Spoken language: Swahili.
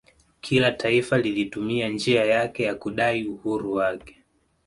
Kila taifa lilitumia njia yake ya kudai uhuru wake